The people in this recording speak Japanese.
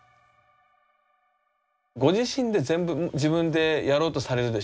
ご自身で全部自分でやろうとされるでしょ？